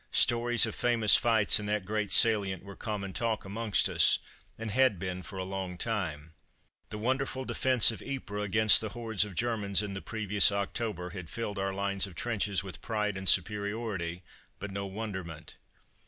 Stories of famous fights in that great salient were common talk amongst us, and had been for a long time. The wonderful defence of Ypres against the hordes of Germans in the previous October had filled our lines of trenches with pride and superiority, but no wonderment.